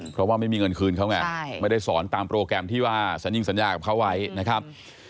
เพราะว่าไม่มีเงินคืนเขาไงไม่ได้สอนตามโปรแกรมที่ว่าสัญญิงสัญญากับเขาไว้นะครับ